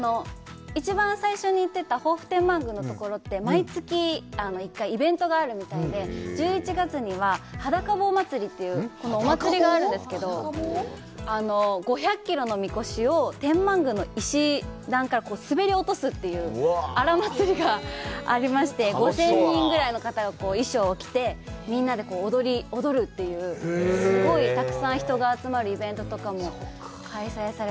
一番最初に行ってた防府天満宮のところって、毎月１回、イベントがあるみたいで、１１月にははだかぼう祭りというこのお祭りがあるんですけど、５００キロのみこしを天満宮の石段から滑り落とすというあら祭りがありまして、５０００人ぐらいの方が衣装を着てみんなで踊るという、すごいたくさん人が集まるイベントとかも開催されて。